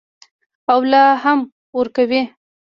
او لا هم ورکوي.